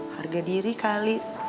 harga diri kali